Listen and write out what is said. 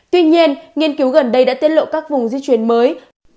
tuy nhiên nghiên cứu gần đây đã tiết lộ các vùng di chuyển mới